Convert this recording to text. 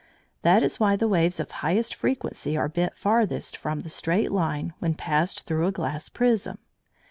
That is why the waves of highest frequency are bent farthest from the straight line when passed through a glass prism.